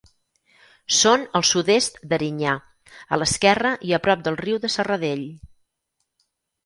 Són al sud-est d'Erinyà, a l'esquerra i a prop del riu de Serradell.